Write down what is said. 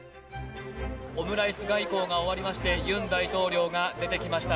オムライス外交が終わりまして、ユン大統領が出てきました。